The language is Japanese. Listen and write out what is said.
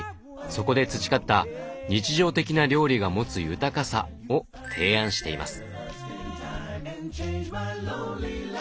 そこで培った「日常的な料理が持つ豊かさ」を提案しています。